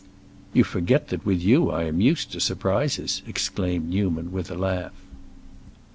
"You forget that with you I am used to surprises!" exclaimed Newman, with a laugh.